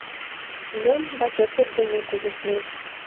— Мом бачокет дене кугешнет?